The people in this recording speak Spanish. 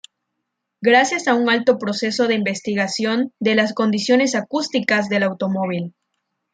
Gracias a un alto proceso de investigación de las condiciones acústicas del automóvil.